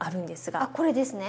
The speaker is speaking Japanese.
あっこれですね。